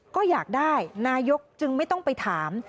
ก็อยากได้นายกจึงไม่ต้องไปถาม